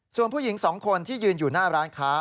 ส่วนผู้หญิง๒คนที่ยืนอยู่หน้าร้านค้า